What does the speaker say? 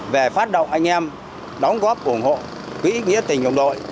về phát động anh em đóng góp ủng hộ quỹ nghĩa tình đồng đội